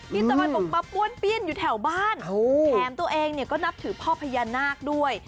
ที่ต้องมาปรบป้วนปิ้นอยู่แถวบ้านโอ้โหแถมตัวเองเนี้ยก็นับถือพ่อพญานาคด้วย